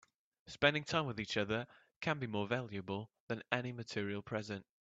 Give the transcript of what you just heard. Spending time with each other can be more valuable than any material present.